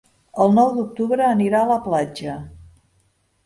El nou d'octubre anirà a la platja.